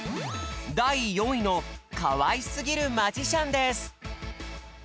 だい４位の「かわいすぎるマジシャン」です。